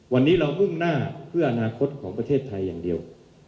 วันนี้เรามุ่งหน้าเพื่ออนาคตของประเทศไทยอย่างเดียว